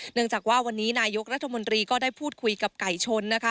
เนื่องจากว่าวันนี้นายกรัฐมนตรีก็ได้พูดคุยกับไก่ชน